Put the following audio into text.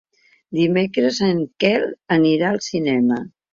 Dimecres en Quel anirà al cinema.